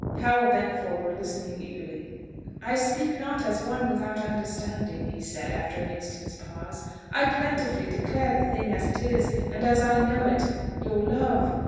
Powell bent forward, listening eagerly. "I speak not as one without understanding," he said, after an instant's pause. "I plentifully declare the thing as it is, and as I know it. Your love